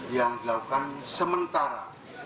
yang dilakukan sementara